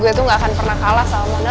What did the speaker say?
gue tuh gak akan pernah kalah sama mona